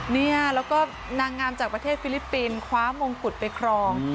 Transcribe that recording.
เนี่ยแล้วก็นางงามจากประเทศฟิลิปปินส์คว้ามงกุฎไปครอง